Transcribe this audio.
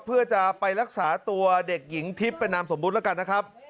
เพื่อจะไปรักษาตัวเด็กหญิงทิพย์เป็นนามสมมุติแล้วกันนะครับ